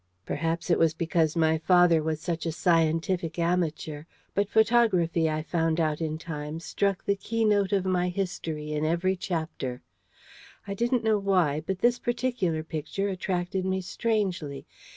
Perhaps it was because my father was such a scientific amateur; but photography, I found out in time, struck the key note of my history in every chapter. I didn't know why, but this particular picture attracted me strangely.